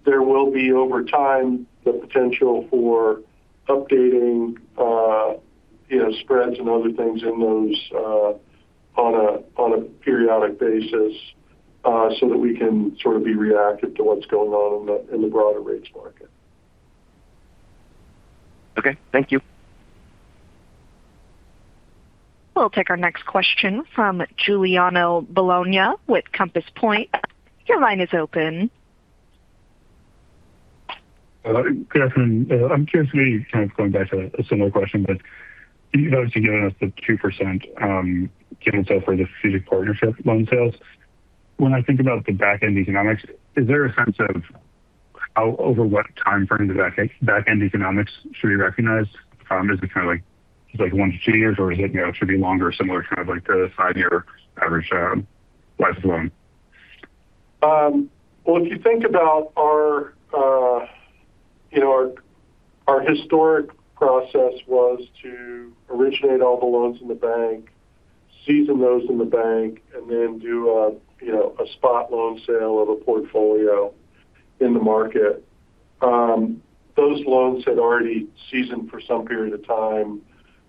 There will be, over time, the potential for updating spreads and other things in those on a periodic basis so that we can sort of be reactive to what's going on in the broader rates market. Okay. Thank you. We'll take our next question from Giuliano Bologna with Compass Point. Your line is open. Good afternoon. I'm curious to kind of going back to a similar question, but you've obviously given us the 2% given for the strategic partnership loan sales. When I think about the back-end economics, is there a sense of how over what time frame the back-end economics should be recognized? Is it kind of like 1-2 years, or is it should be longer or similar kind of like the five-year average life of loan? If you think about our historic process was to originate all the loans in the bank, season those in the bank, and then do a spot loan sale of a portfolio in the market. Those loans had already seasoned for some period of time.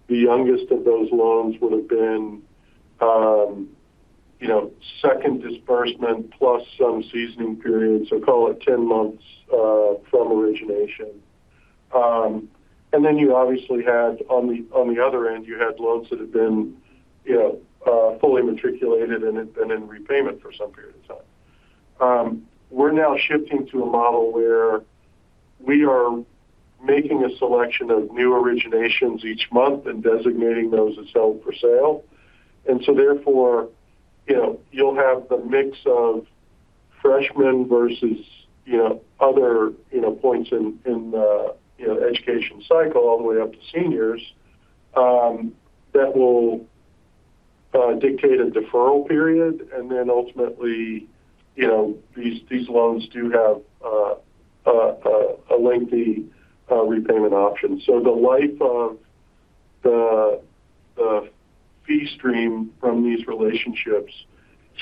The youngest of those loans would have been second disbursement plus some seasoning period, so call it 10 months from origination. Then you obviously had, on the other end, you had loans that had been fully amortized and had been in repayment for some period of time. We're now shifting to a model where we are making a selection of new originations each month and designating those as held for sale. So therefore, you'll have the mix of freshmen versus other points in the education cycle all the way up to seniors that will dictate a deferral period. Ultimately, these loans do have a lengthy repayment option. The life of the fee stream from these relationships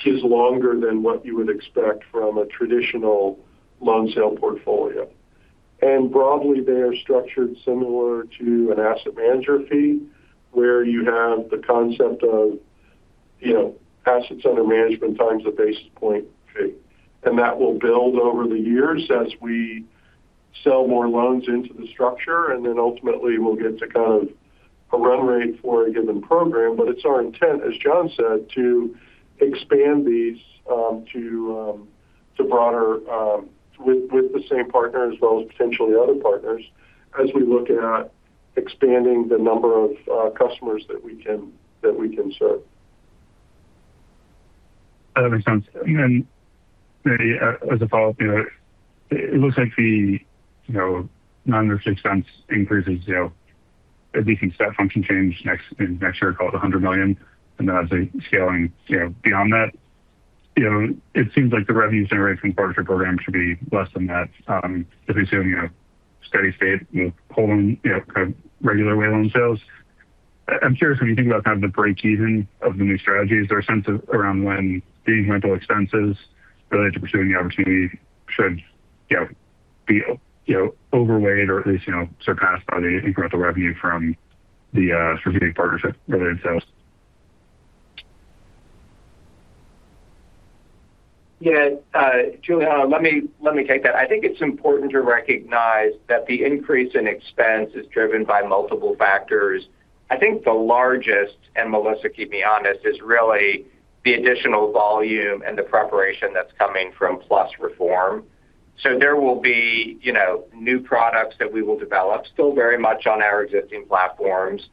is longer than what you would expect from a traditional loan sale portfolio. Broadly, they are structured similar to an asset manager fee where you have the concept of assets under management times the basis point fee. That will build over the years as we sell more loans into the structure. Ultimately, we'll get to kind of a run rate for a given program. It's our intent, as Jon said, to expand these to broader with the same partner as well as potentially other partners as we look at expanding the number of customers that we can serve. That makes sense. As a follow-up, it looks like the non-interest expense increases, at least since that function changed next year called $100 million. And then as they scale beyond that, it seems like the revenue generated from the partnership program should be less than that. If we assume steady state with regular way loan sales. I'm curious, when you think about kind of the break-even of the new strategy, is there a sense around when the incremental expenses related to pursuing the opportunity should be outweighed or at least surpassed by the incremental revenue from the strategic partnership related sales? Yeah. Giuliano, let me take that. I think it's important to recognize that the increase in expense is driven by multiple factors. I think the largest, and Melissa, keep me honest, is really the additional volume and the preparation that's coming from PLUS Reform. So there will be new products that we will develop still very much on our existing platforms.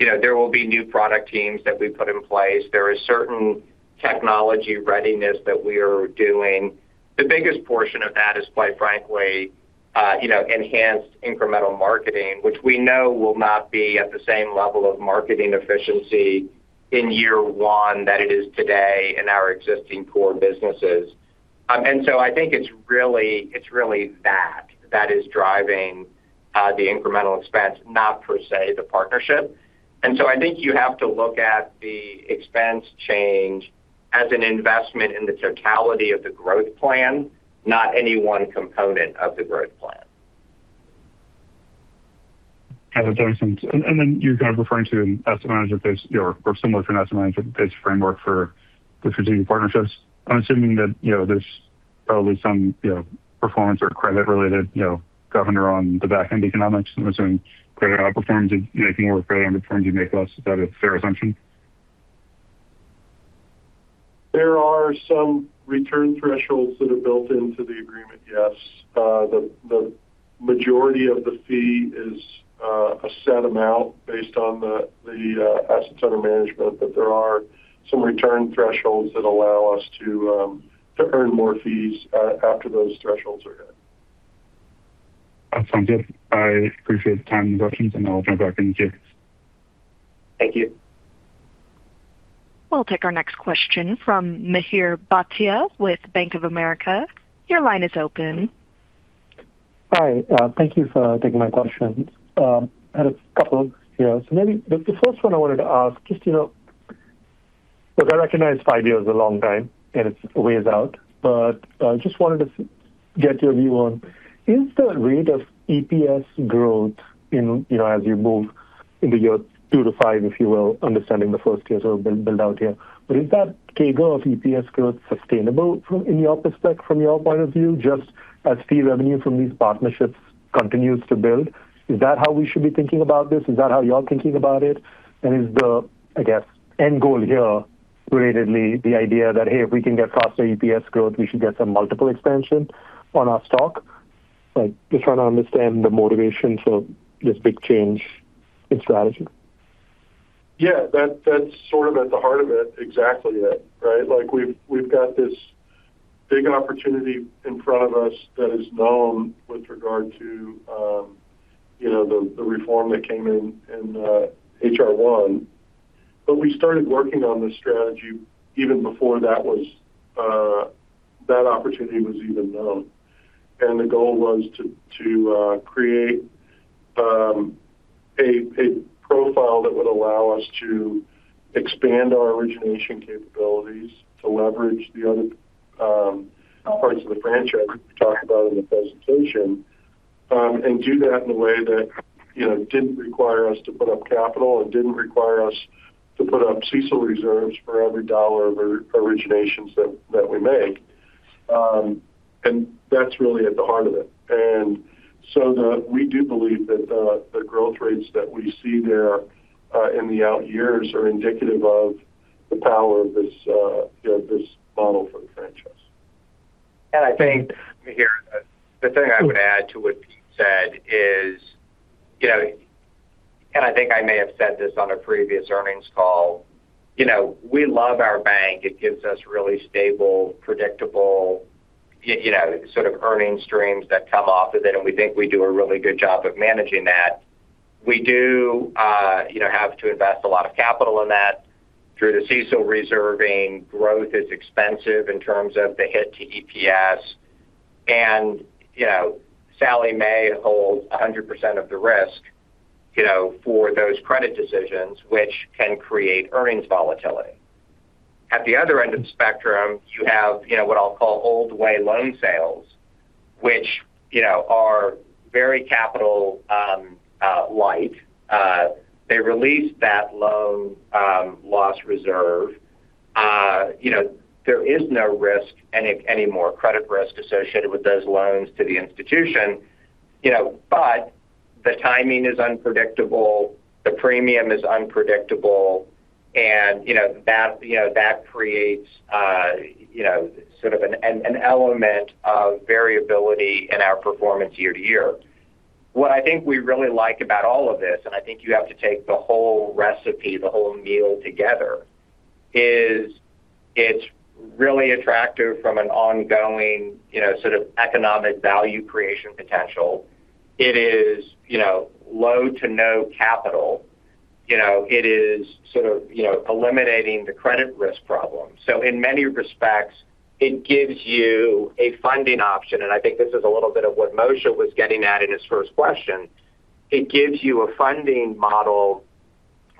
There will be new product teams that we put in place. There is certain technology readiness that we are doing. The biggest portion of that is, quite frankly, enhanced incremental marketing, which we know will not be at the same level of marketing efficiency in year one that it is today in our existing core businesses. So I think it's really that that is driving the incremental expense, not per se the partnership. So I think you have to look at the expense change as an investment in the totality of the growth plan, not any one component of the growth plan. That makes sense, and then you're kind of referring to an asset manager base or similar to an asset manager base framework for the strategic partnerships. I'm assuming that there's probably some performance or credit-related governor on the back-end economics. I'm assuming credit outperforms you make more credit outperforms you make less. Is that a fair assumption? There are some return thresholds that are built into the agreement, yes. The majority of the fee is a set amount based on the assets under management, but there are some return thresholds that allow us to earn more fees after those thresholds are hit. That sounds good. I appreciate the time and the questions, and I'll turn it back to you. Thank you. We'll take our next question from Mihir Bhatia with Bank of America. Your line is open. Hi. Thank you for taking my question. I had a couple here. So maybe the first one I wanted to ask just was I recognize five years is a long time, and it's ways out, but I just wanted to get your view on is the rate of EPS growth as you move into year two to five, if you will, understanding the first year sort of build out here. But is that CAGR of EPS growth sustainable from your perspective, from your point of view, just as fee revenue from these partnerships continues to build? Is that how we should be thinking about this? Is that how you're thinking about it? And is the, I guess, end goal here relatedly the idea that, hey, if we can get faster EPS growth, we should get some multiple expansion on our stock? Just trying to understand the motivation for this big change in strategy. Yeah. That's sort of at the heart of it, exactly it, right? We've got this big opportunity in front of us that is known with regard to the reform that came in H.R. 1. But we started working on the strategy even before that opportunity was even known. And the goal was to create a profile that would allow us to expand our origination capabilities to leverage the other parts of the franchise that we talked about in the presentation and do that in a way that didn't require us to put up capital and didn't require us to put up CECL reserves for every dollar of originations that we make. And that's really at the heart of it. And so we do believe that the growth rates that we see there in the out years are indicative of the power of this model for the franchise. And I think, Mihir, the thing I would add to what Pete said is, and I think I may have said this on a previous earnings call, we love our bank. It gives us really stable, predictable sort of earnings streams that come off of it, and we think we do a really good job of managing that. We do have to invest a lot of capital in that through the CECL reserving. Growth is expensive in terms of the hit to EPS, and Sallie Mae hold 100% of the risk for those credit decisions, which can create earnings volatility. At the other end of the spectrum, you have what I'll call old way loan sales, which are very capital light. They release that loan loss reserve. There is no risk anymore, credit risk associated with those loans to the institution, but the timing is unpredictable. The premium is unpredictable, and that creates sort of an element of variability in our performance year-to-year. What I think we really like about all of this, and I think you have to take the whole recipe, the whole meal together, is it's really attractive from an ongoing sort of economic value creation potential. It is low to no capital. It is sort of eliminating the credit risk problem, so in many respects, it gives you a funding option, and I think this is a little bit of what Moshe was getting at in his first question. It gives you a funding model,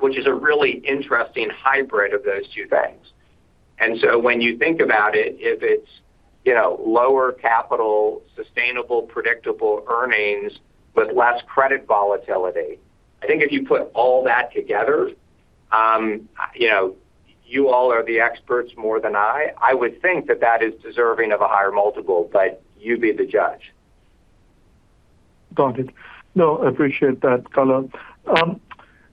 which is a really interesting hybrid of those two things, and so when you think about it, if it's lower capital, sustainable, predictable earnings with less credit volatility, I think if you put all that together, you all are the experts more than I. I would think that that is deserving of a higher multiple, but you be the judge. Got it. No, I appreciate that color.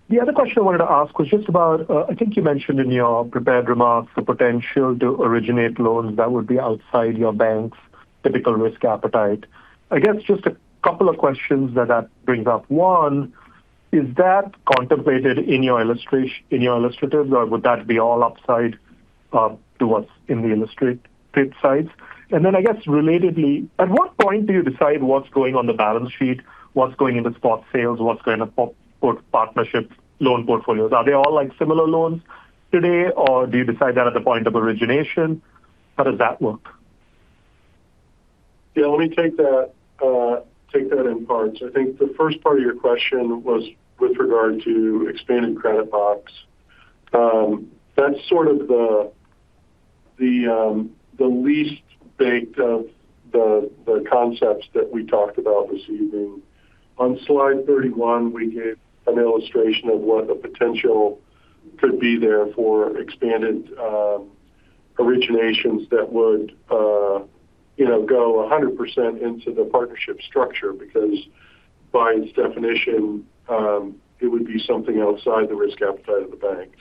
The other question I wanted to ask was just about, I think you mentioned in your prepared remarks the potential to originate loans that would be outside your bank's typical risk appetite. I guess just a couple of questions that that brings up. One, is that contemplated in your illustratives, or would that be all upside to what's in the illustrative sites? And then I guess relatedly, at what point do you decide what's going on the balance sheet, what's going into spot sales, what's going into partnership loan portfolios? Are they all similar loans today, or do you decide that at the point of origination? How does that work? Yeah. Let me take that in parts. I think the first part of your question was with regard to expanded credit box. That's sort of the least baked of the concepts that we talked about this evening. On slide 31, we gave an illustration of what the potential could be there for expanded originations that would go 100% into the partnership structure because by its definition, it would be something outside the risk appetite of the bank.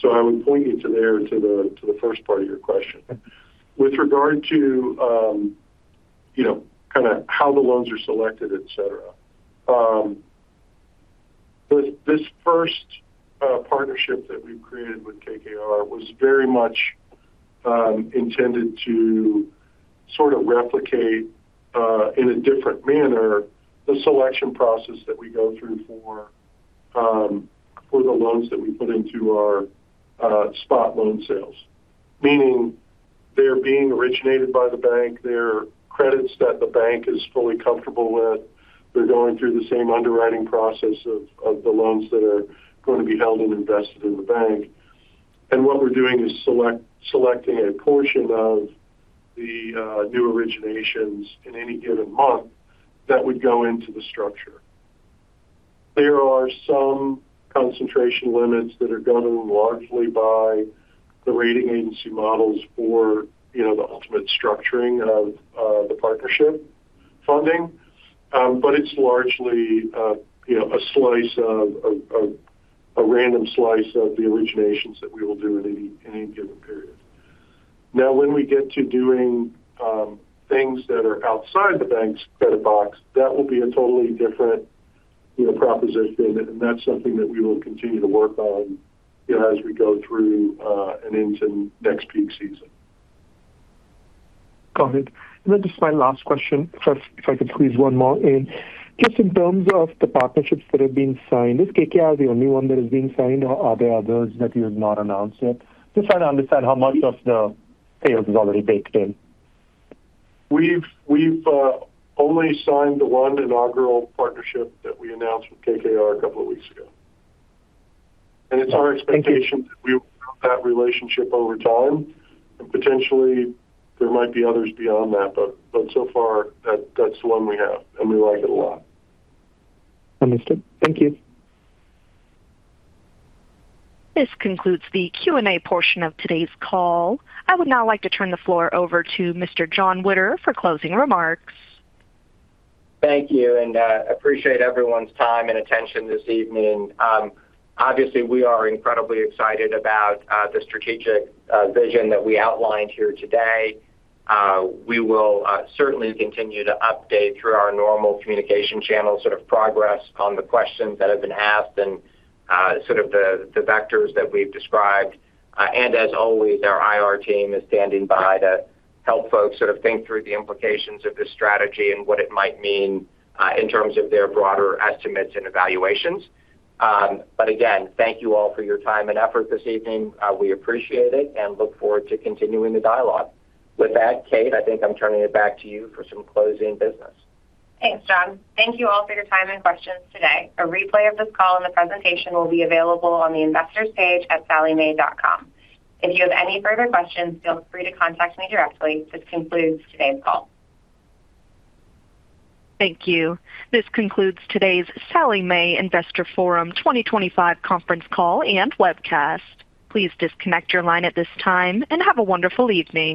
So I would point you to there to the first part of your question. With regard to kind of how the loans are selected, etc., this first partnership that we've created with KKR was very much intended to sort of replicate in a different manner the selection process that we go through for the loans that we put into our spot loan sales. Meaning they're being originated by the bank, they're credits that the bank is fully comfortable with. They're going through the same underwriting process of the loans that are going to be held and invested in the bank. And what we're doing is selecting a portion of the new originations in any given month that would go into the structure. There are some concentration limits that are governed largely by the rating agency models for the ultimate structuring of the partnership funding, but it's largely a random slice of the originations that we will do in any given period. Now, when we get to doing things that are outside the bank's credit box, that will be a totally different proposition, and that's something that we will continue to work on as we go through and into next peak season. Got it. And then just my last question, if I could squeeze one more in? Just in terms of the partnerships that have been signed, is KKR the only one that is being signed, or are there others that you have not announced yet? Just trying to understand how much of the sales is already baked in. We've only signed the one inaugural partnership that we announced with KKR a couple of weeks ago. And it's our expectation that we will build that relationship over time. And potentially, there might be others beyond that, but so far, that's the one we have, and we like it a lot. Understood. Thank you. This concludes the Q&A portion of today's call. I would now like to turn the floor over to Mr. Jon Witter for closing remarks. Thank you, and I appreciate everyone's time and attention this evening. Obviously, we are incredibly excited about the strategic vision that we outlined here today. `We will certainly continue to update through our normal communication channel sort of progress on the questions that have been asked and sort of the vectors that we've described, and as always, our IR team is standing by to help folks sort of think through the implications of this strategy and what it might mean in terms of their broader estimates and evaluations, but again, thank you all for your time and effort this evening. We appreciate it and look forward to continuing the dialogue. With that, Kate, I think I'm turning it back to you for some closing business. Thanks, Jon. Thank you all for your time and questions today. A replay of this call and the presentation will be available on the investors' page at salliemae.com. If you have any further questions, feel free to contact me directly. This concludes today's call. Thank you. This concludes today's Sallie Mae Investor Forum 2025 Conference Call and Webcast. Please disconnect your line at this time and have a wonderful evening.